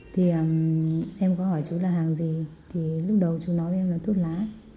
thì em có hỏi chú là hàng gì thì lúc đầu chú nói em là thuốc lá